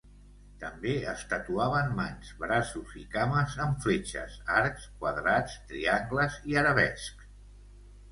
També es tatuaven mans, braços i cames amb fletxes, arcs, quadrats, triangles i arabescs.